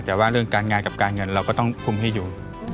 แต่ว่าเรื่องการงานกับการเงินเราก็ต้องคุมให้อยู่